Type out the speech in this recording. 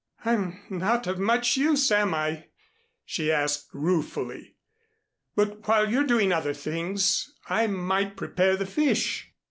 "I'm not of much use, am I?" she asked ruefully. "But while you're doing other things, I might prepare the fish."